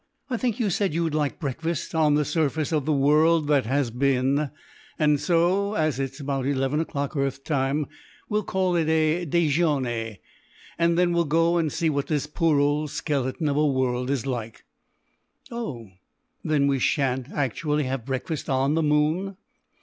I think you said you would like breakfast on the surface of the World that Has Been, and so, as it's about eleven o'clock earth time, we'll call it a déjeuner, and then we'll go and see what this poor old skeleton of a world is like." "Oh, then we shan't actually have breakfast on the moon?"